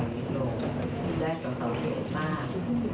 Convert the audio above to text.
โดยกฎิกาก็เป็นอย่างที่จะทำให้ครับเครื่องสายมิดลงได้กับสาวเขตมาก